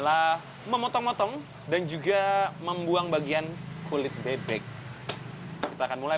lalu kita berajak suspected estadis manoga toenaknya dan juga sejahat yang terkenal pasang selanjutnya